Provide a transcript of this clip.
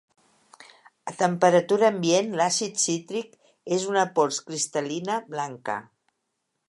A temperatura ambient l'àcid cítric és una pols cristallina blanca.